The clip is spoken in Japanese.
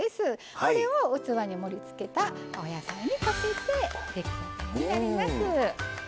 これを器に盛りつけお野菜にかけて出来上がりになります。